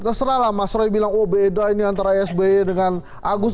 terserah lah mas roy bilang oh beda ini antara sby dengan agus